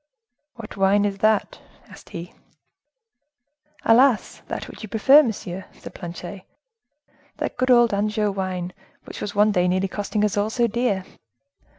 "What wine is that?" asked he. "Alas! that which you prefer, monsieur," said Planchet; "that good old Anjou wine, which was one day nearly costing us all so dear."